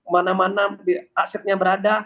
mana mana asetnya berada